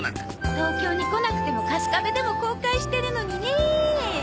東京に来なくても春我部でも公開してるのにね。ね。